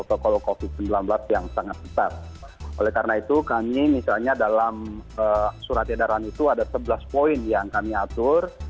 oleh karena itu kami misalnya dalam surat edaran itu ada sebelas poin yang kami atur